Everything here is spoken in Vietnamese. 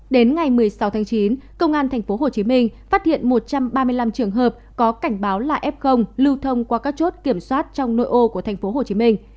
đến ngày một mươi sáu tháng chín công an tp hcm phát hiện một trăm ba mươi năm trường hợp có cảnh báo là f lưu thông qua các chốt kiểm soát trong nội ô của tp hcm